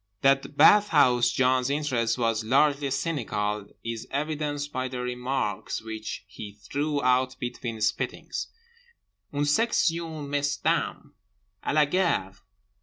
That Bathhouse John's interest was largely cynical is evidenced by the remarks which he threw out between spittings—"Une section mesdames!" "_A la gare!